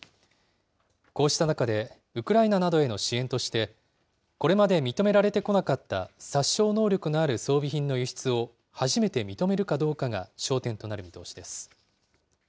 こうした中で、ウクライナなどへの支援として、これまで認められてこなかった殺傷能力のある装備品の輸出を、初めて認めるかどうかが焦点となる見通しです。